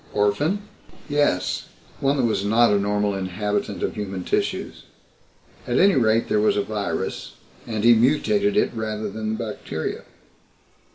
"Orphan?" "Yes one that was not a normal inhabitant of human tissues. At any rate there was a virus and he mutated it rather than the bacteria.